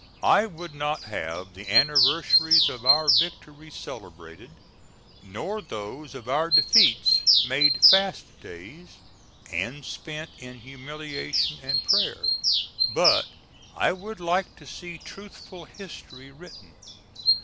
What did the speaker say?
I would not have the anniversaries of our victories celebrated, nor those of our defeats made fast days and spent in humiliation and prayer; but I would like to see truthful history written.